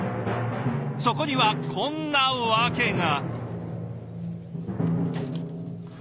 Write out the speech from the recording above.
そこにはこんな訳が。